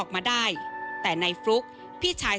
ไม่ได้ตั้งใจ